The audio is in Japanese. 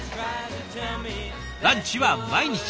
ランチは毎日。